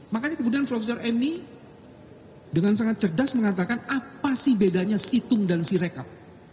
makanya kemudian profesor eni dengan sangat cerdas mengatakan apa sih bedanya si tum dan si recap